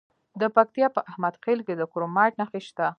د پکتیا په احمد خیل کې د کرومایټ نښې شته.